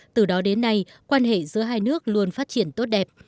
từ đó đến nay quan hệ giữa hai nước luôn phát triển tốt đẹp